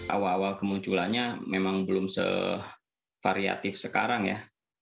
awal awal kemunculannya memang belum se variatif sekarang ya